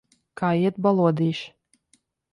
Kā iet, balodīši?